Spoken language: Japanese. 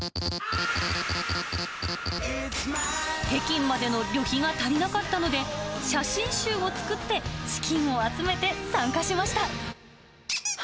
北京までの旅費が足りなかったので、写真集を作って、資金を集めて参加しました。